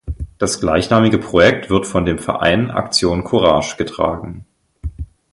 Das gleichnamige Projekt wird von dem Verein Aktion Courage getragen.